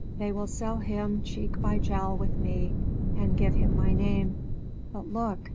"They will sell him cheek by jowl with me, and give him my name; but look!